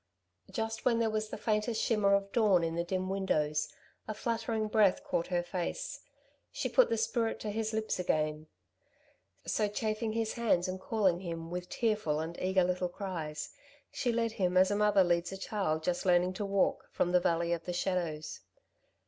Just when there was the faintest shimmer of dawn in the dim windows, a fluttering breath caught her face. She put the spirit to his lips again. So, chafing his hands and calling him, with tearful and eager little cries, she led him as a mother leads a child just learning to walk, from the valley of the shadows.